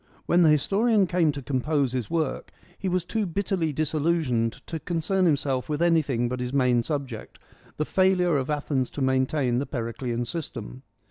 When the historian came to compose his work he was too bitterly disillusioned to concern himself with anything but his main subject, the fail ure of Athens to maintain the Periclean system.